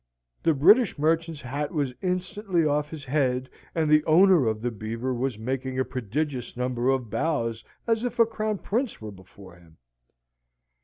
The British merchant's hat was instantly off his head, and the owner of the beaver was making a prodigious number of bows as if a crown prince were before him.